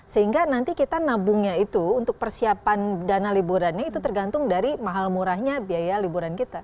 sehingga nanti kita nabungnya itu untuk persiapan dana liburannya itu tergantung dari mahal murahnya biaya liburan kita